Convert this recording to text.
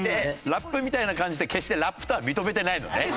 「ラップみたいな感じ」って決してラップとは認めてないのね？